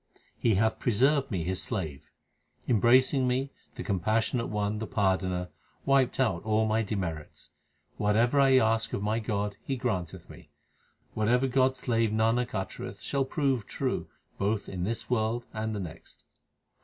He hath preserved me His slave. Embracing me, the Compassionate One, the Pardoner, wiped out all my demerits. Whatever I ask of my God He grant eth me. Whatever God s slave Nanak uttereth shall prove true both in this world and the next.